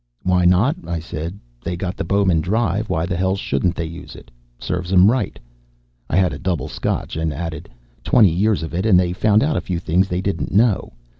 "Why not?" I said. "They got the Bowman Drive, why the hell shouldn't they use it? Serves 'em right." I had a double scotch and added: "Twenty years of it and they found out a few things they didn't know.